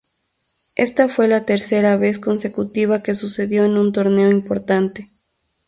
Esta fue la tercera vez consecutiva que sucedió en un torneo importante.